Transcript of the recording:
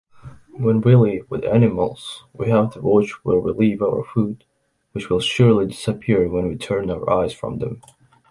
When we live with animals, we have to watch where we leave our food, which will surely disappear when we turn our eyes from them.